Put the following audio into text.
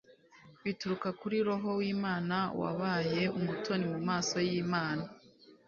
bituruka kuri roho w'imana wabaye umutoni mu maso y'imana